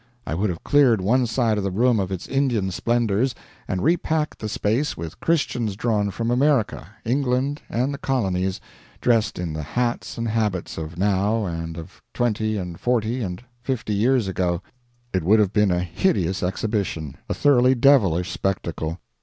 I would have cleared one side of the room of its Indian splendors and repacked the space with Christians drawn from America, England, and the Colonies, dressed in the hats and habits of now, and of twenty and forty and fifty years ago. It would have been a hideous exhibition, a thoroughly devilish spectacle.